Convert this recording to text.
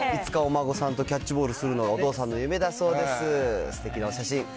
いつかお孫さんとキャッチボールするのがお父さんの夢だそうです。